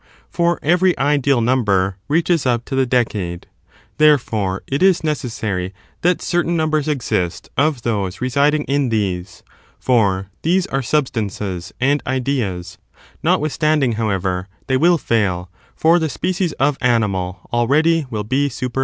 for every ideal number reaches up to the decade.^ Therefore, it is necessary that certain numbers exist of those residing in these, for these are substances and ideas ; notwithstanding, however, they will fail, for the species of animal already will be superabundant.